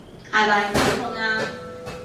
係咪好痛啊？